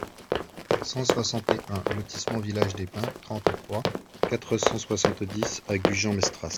cent soixante et un lotissement Village des Pins, trente-trois, quatre cent soixante-dix à Gujan-Mestras